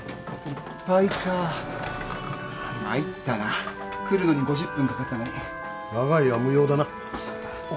いっぱいか参ったな来るのに５０分かかったのに長居は無用だなお